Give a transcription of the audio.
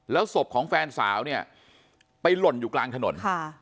แล้วศพของแฟนสาวเนี่ยไปหล่นอยู่กลางถนน